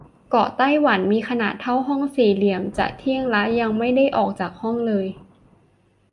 เกาะไต้หวัน มีขนาดเท่าห้องสี่เหลี่ยม จะเที่ยงละ ยังไม่ได้ออกจากห้องเลย !